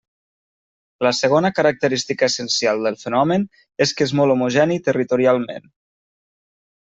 La segona característica essencial del fenomen és que és molt homogeni territorialment.